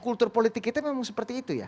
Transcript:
kultur politik kita memang seperti itu ya